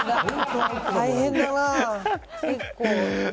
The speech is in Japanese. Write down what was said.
大変だな。